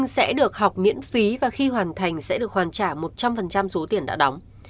sẽ được học miễn phí và khi hoàn thành sẽ được hoàn trả một trăm linh số tiền đã đóng